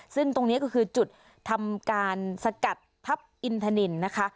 ซึ่งตรงนี้ก็คือจุดทำการสกัดทัพอินทนินนะคะ